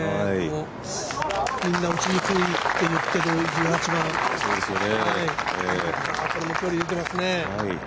みんな打ちにくいって言っている１８番、これも距離出てますね。